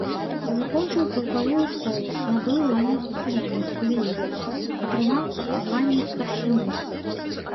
Закончыў палкавую школу, набыў ваенную спецыяльнасць сувязіста, атрымаў званне старшыны.